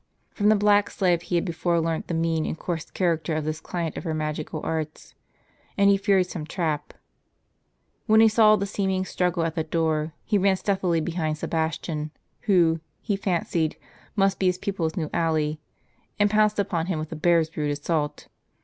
From the black slave he had before learnt the mean and coarse character of this client of her magical arts ; and he feared some trap. When he saw the seeming struggle at the door, he ran stealthily behind Sebastian, who, he fancied, must be his pupil's new ally, and pounced upon him with a bear's rude assault.